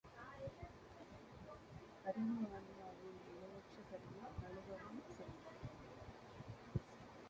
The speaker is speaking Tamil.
அறிவு ஆன்மாவின் இணையற்ற கருவி, அனுபவம், செல்வம்.